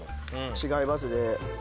違いますね。